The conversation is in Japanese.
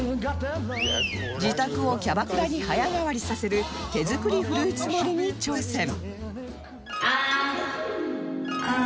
自宅をキャバクラに早変わりさせる手作りフルーツ盛りに挑戦